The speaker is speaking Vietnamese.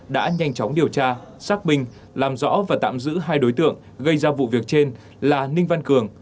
đã nhanh chóng điều tra xác minh làm rõ và tạm giữ hai đối tượng gây ra vụ việc trên là ninh văn cường